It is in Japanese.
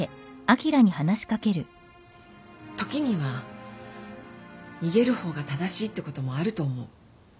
時には逃げる方が正しいってこともあると思う。